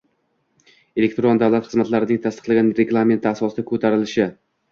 elektron davlat xizmatlarining tasdiqlangan reglamenti asosida ko‘rsatilishi;